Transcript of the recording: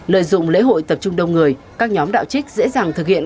lợi dụng lễ hội tập trung đông người các nhóm đạo trích dễ dàng thực hiện